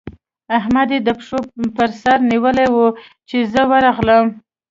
احمد يې د پښو پر سره نيولی وو؛ چې زه ورغلم.